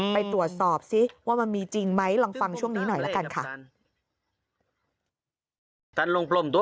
ไปตรวจสอบซิว่ามันมีจริงไหมลองฟังช่วงนี้หน่อยละกันค่ะ